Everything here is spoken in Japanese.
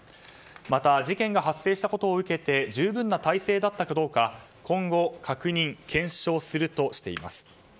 また事件が発生したことを受けて十分な体制だったかどうか今後確認・検証するとしています。